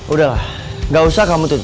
udahlah gak usah kamu tutupin ya